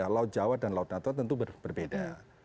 laut jawa dan laut natal tentu berbeda